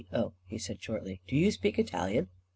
O." he said shortly, "do you speak Italian?